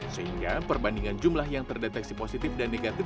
sehingga perbandingan jumlah yang terdeteksi positif dan negatif